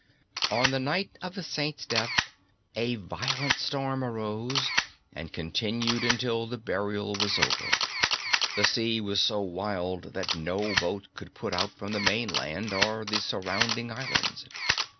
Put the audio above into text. On the night of the Saint's death a violent storm arose, and continued until the burial was over; the sea was so wild that no boat could put out from the mainland or the surrounding islands.